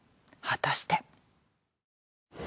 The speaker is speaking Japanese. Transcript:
果たして。